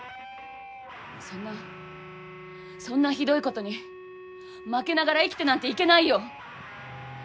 そんなそんなひどいことに負けながら生きてなんていけないよ。